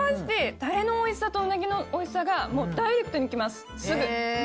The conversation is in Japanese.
タレのおいしさとうなぎのおいしさがダイレクトに来ますすぐ。